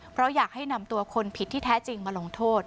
เพราะอยากให้นำตัวคนผิดที่แท้จริงมาลงโทษ